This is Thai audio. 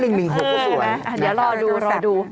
เดี๋ยวรอดู